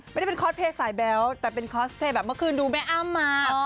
ไม่ได้เป็นคอสเพลย์สายแบ๊วแต่เป็นคอสเพลย์แบบเมื่อคืนดูแม่อ้ำมา